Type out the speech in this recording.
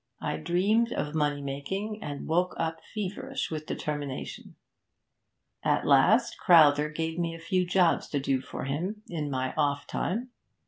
I dreamed of money making, and woke up feverish with determination. At last Crowther gave me a few jobs to do for him in my off time.